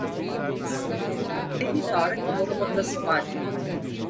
Naslednji torek moramo glasovati.